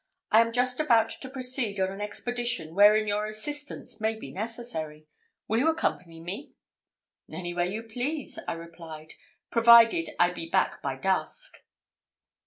I am just about to proceed on an expedition wherein your assistance may be necessary. Will you accompany me?" "Anywhere you please," I replied, "provided I be back by dusk."